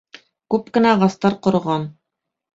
Күп кенә ағастар ҡороған.